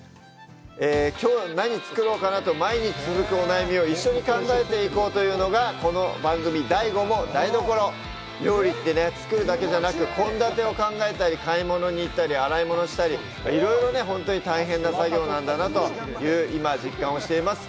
きょう、何作ろうかなあという毎日続くお悩みを一緒に考えていこうというのが、この番組「ＤＡＩＧＯも台所」！料理って、作るだけじゃなくて、献立を考えたり、買い物に行ったり、洗い物をしたり、いろいろ本当に大変な作業なんだなって今、実感しています。